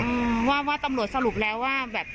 พิษด้านในเขาสรุปเองใช่ไหมครับ